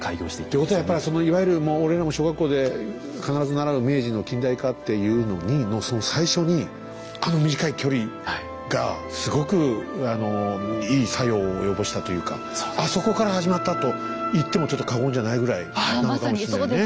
ということはやっぱりそのいわゆる俺らも小学校で必ず習う明治の近代化っていうのにのその最初にあの短い距離がすごくいい作用を及ぼしたというかあそこから始まったと言ってもちょっと過言じゃないぐらいなのかもしれないね。